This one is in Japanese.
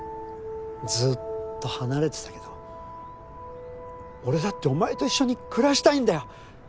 ずっと離れてたけど俺だってお前と一緒に暮らしたいんだよ。